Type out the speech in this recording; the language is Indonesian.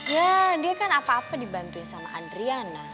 ya dia kan apa apa dibantuin sama adriana